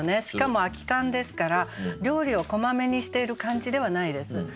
しかも「空き缶」ですから料理をこまめにしている感じではないです。